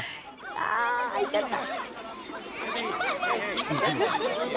あー、あいちゃった。